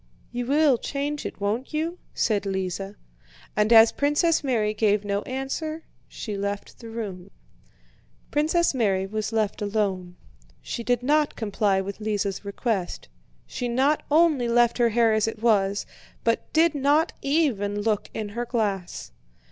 "You will change it, won't you?" said Lise. And as Princess Mary gave no answer, she left the room. Princess Mary was left alone. She did not comply with Lise's request, she not only left her hair as it was, but did not even look in her glass.